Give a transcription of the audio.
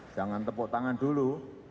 jangan tepuk tangan dulu